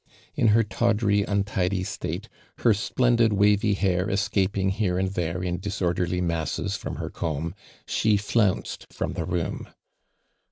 In her tawdry untidy state, her splendid wavy hair escaping here and there in disor derly masses from her comb, she flounced from the room.